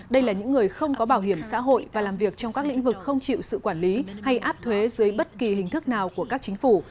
đây là những người không có bảo hiểm xã hội và làm việc trong các lĩnh vực không chịu sự quản lý hay áp thuế dưới bất kỳ hình thức nào của các chính phủ